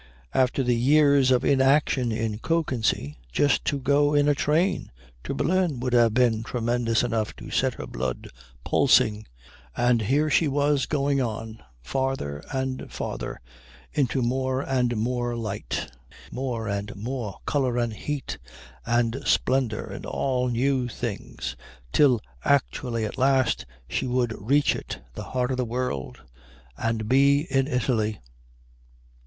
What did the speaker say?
After the years of inaction in Kökensee, just to go in a train to Berlin would have been tremendous enough to set her blood pulsing; and here she was going on and on, farther and farther, into more and more light, more and more colour and heat and splendour and all new things, till actually at last she would reach it, the heart of the world, and be in Italy.